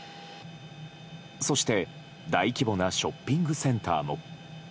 そして、大規模なショッピングセンターも。